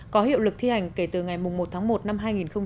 có hiệu lực thi hành kể từ ngày một tháng một năm hai nghìn một mươi hai